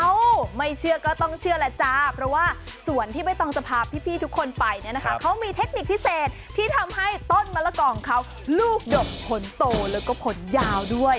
ไม่เชื่อก็ต้องเชื่อแล้วจ้าเพราะว่าส่วนที่ใบตองจะพาพี่ทุกคนไปเนี่ยนะคะเขามีเทคนิคพิเศษที่ทำให้ต้นมะละกอของเขาลูกดกผลโตแล้วก็ผลยาวด้วย